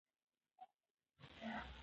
د برتانوي هند اجازه شرط ده.